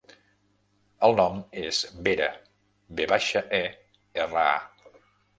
El nom és Vera: ve baixa, e, erra, a.